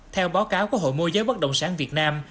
theo báo cáo của hội mô giới bất động sản việt nam